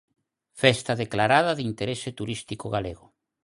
Festa declarada de interese turístico galego.